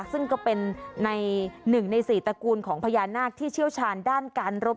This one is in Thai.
ซึ่งก็เป็นใน๑ใน๔ตระกูลของพญานาคที่เชี่ยวชาญด้านการรบ